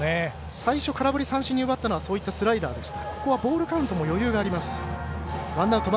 最初空振り三振にしたのはそういったボールでした。